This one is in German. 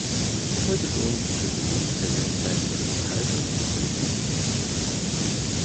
Heute wohnen viele berühmte Persönlichkeiten aus Unterhaltung und Politik in der Stadt.